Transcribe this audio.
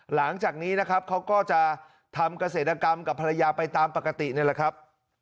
หลังจากนี้นะครับเขาก็จะทำเกษตรกรรมกับภรรยาไปตามปกตินี่แหละครับ